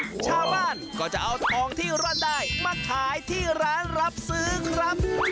ชาวบ้านก็จะเอาทองที่ร่อนได้มาขายที่ร้านรับซื้อครับ